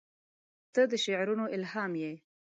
• ته د شعرونو الهام یې.